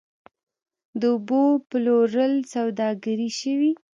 د اوبو پلورل سوداګري شوې؟